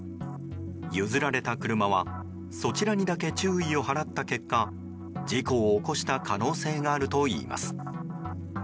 譲られた車はそちらにだけ注意を払った結果事故を起こした可能性があるといいます。